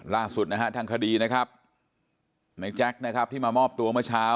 ล่าสุดทางคดีแม่งแจ๊คที่มามอบตัวเมื่อเช้า